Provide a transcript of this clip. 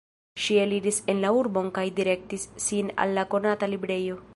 Ŝi eliris en la urbon kaj direktis sin al la konata librejo.